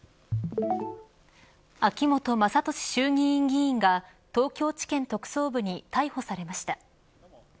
秋本真利衆議院議員が東京地検特捜部に逮捕されました。